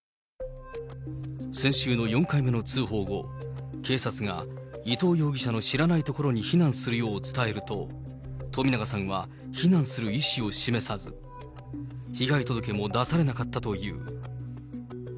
先週の４回目の通報後、警察が伊藤容疑者の知らない所に避難するよう伝えると、冨永さんは避難する意思を示さず、被害届も出されなかったという。